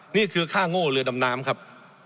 นี่คือค่าโง่เรือดำน้ำครับ